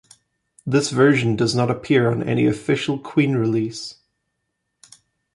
This version does not appear on any official Queen release.